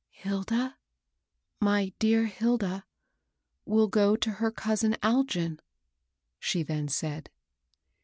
" Hilda, my dear Hilda, will go to her cousin Algin," she then said.